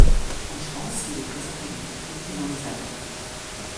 En France il est présent dans les Pyrénées et dans les Alpes.